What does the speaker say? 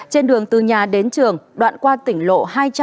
trên đường từ nhà đến trường đoạn qua tỉnh lộ hai trăm tám mươi sáu